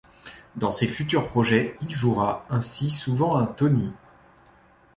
Dans ses futurs projets, il jouera ainsi souvent un Tony.